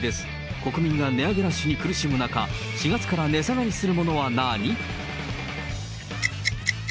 国民が値上げラッシュに苦しむ中、４月から値下がりするものは何？